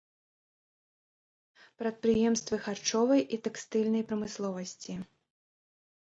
Прадпрыемствы харчовай і тэкстыльнай прамысловасці.